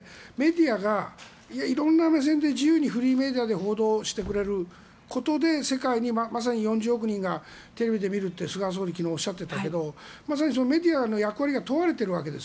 なぜかというとオリンピック世界平和の祭典をやってメディアが、いろんな目線で自由にフリーメディアで報道してくれることで世界にまさに４０億人がテレビで見ると、菅総理が昨日おっしゃっていたけどまさにメディアの役割が問われているわけです。